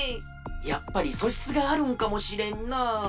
やっぱりそしつがあるんかもしれんな。